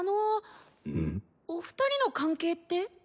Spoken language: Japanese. お二人の関係って？